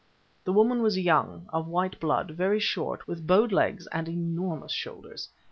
The woman was young, of white blood, very short, with bowed legs and enormous shoulders.